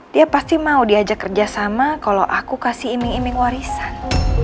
dia pasti mau diajak kerjasama kalau aku kasih iming iming warisan